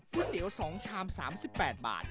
เตี๋ยว๒ชาม๓๘บาท